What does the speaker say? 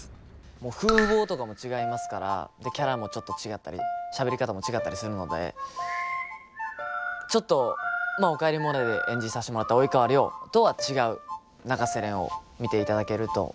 もう風貌とかも違いますからキャラもちょっと違ったりしゃべり方も違ったりするのでちょっと「おかえりモネ」で演じさせてもらった及川亮とは違う永瀬廉を見ていただけると思います。